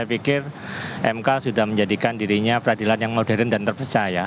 saya pikir mk sudah menjadikan dirinya peradilan yang modern dan terpecah ya